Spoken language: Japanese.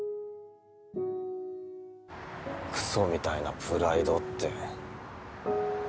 クソみたいなプライドって。